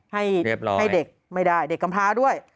ให้เด็กไม่ได้เด็กกำพาด้วย